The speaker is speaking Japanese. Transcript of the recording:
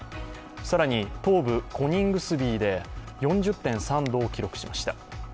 更に東部コニングスビーで４０．３度を記録しました。